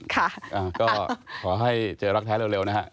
ค่ะก็ขอให้เจอรักแท้เร็วนะฮะ